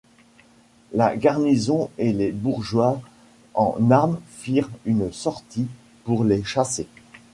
La garnison et les bourgeois en armes firent une sortie pour les chasser.